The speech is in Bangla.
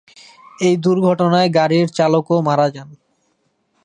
এই দুর্ঘটনায় গাড়ির চালকও মারা যান।